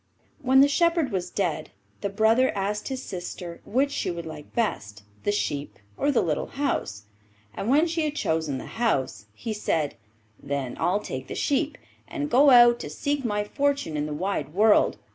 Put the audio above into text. When the shepherd was dead, the brother asked his sister which she would like best, the sheep or the little house; and when she had chosen the house he said, 'Then I'll take the sheep and go out to seek my fortune in the wide world.